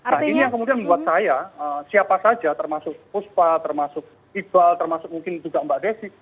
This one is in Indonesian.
nah ini yang kemudian membuat saya siapa saja termasuk puspa termasuk iqbal termasuk mungkin juga mbak desi